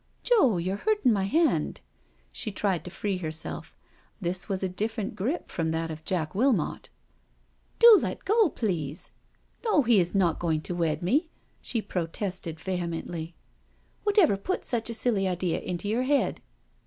" Joe, you're hurting my hand." She tried to free herself. This was a different grip from that of Jack Wilmot. " Do let go, please. No, he is not going AT THE WEEK END COTTAGE 175 to wed me/' she protested vehemently; *' whatever put such a silly idea into your head?"